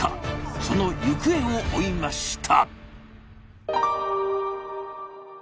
その行方を追いました。